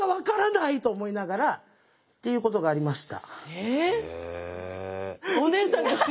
っていうことがありました。